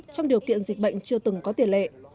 trong điều kiện dịch bệnh chưa từng có tiền lệ